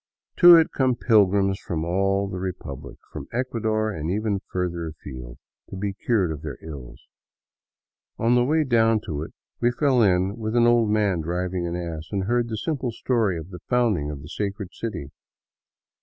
To it come pilgrims from all the Republic, from Ecuador and even further afield, to be cured of their ills. On the way down to it we fell in with an old man driving an ass, and heard the simple story of the founding of the sacred city.